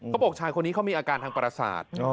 บอกชายคนนี้เขามีอาการทางประสาท